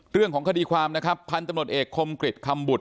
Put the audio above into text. เรื่องของคดีความนะครับพันธุ์ตำรวจเอกคมกริจคำบุตร